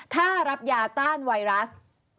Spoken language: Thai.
ถ้ารับยาต้านไวรัส